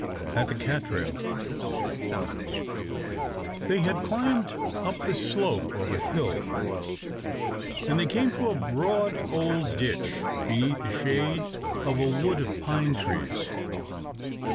At the Catrail THEY had climbed up the slope of a hill, and they came to a broad old ditch, beneath the shade of a wood of pine trees.